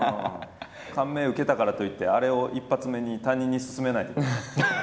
感銘受けたからといってあれを一発目に他人にすすめないでください。